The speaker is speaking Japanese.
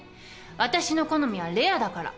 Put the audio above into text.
私の好みはレアだから。